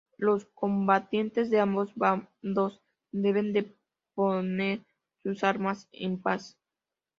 Los combatientes de ambos bandos deben deponer sus armas en paz.